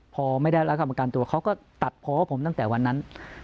พอไม่ได้รับคำประกันตัวเขาก็ตัดเพาะผมตั้งแต่วันนั้น